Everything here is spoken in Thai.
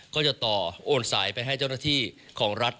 ก็จะต่อโอนสายไปให้เจ้าหน้าที่ของรัฐ